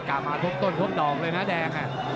กลับมาทุกต้นทุกดอกเลยนะแดง